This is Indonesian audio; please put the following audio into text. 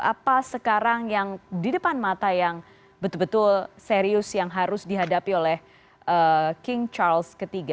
apa sekarang yang di depan mata yang betul betul serius yang harus dihadapi oleh king charles iii